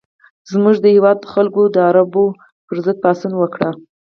زموږ د هېواد خلکو د عربو پر ضد پاڅون وکړ.